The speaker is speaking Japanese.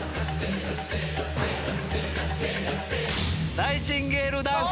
ナイチンゲールダンス。